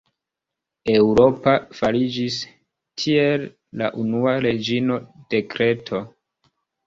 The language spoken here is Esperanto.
Eŭropa fariĝis, tiele, la unua reĝino de Kreto.